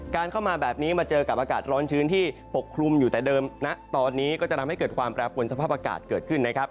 เข้ามาแบบนี้มาเจอกับอากาศร้อนชื้นที่ปกคลุมอยู่แต่เดิมณตอนนี้ก็จะทำให้เกิดความแปรปวนสภาพอากาศเกิดขึ้นนะครับ